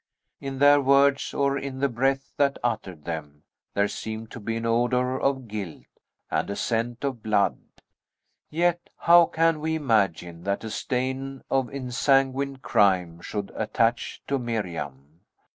In their words, or in the breath that uttered them, there seemed to be an odor of guilt, and a scent of blood. Yet, how can we imagine that a stain of ensanguined crime should attach to Miriam!